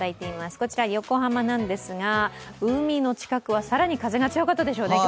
こちら、横浜なんですが、海の近くは更に風が強かったでしょうね、今日。